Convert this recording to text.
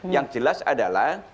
yang jelas adalah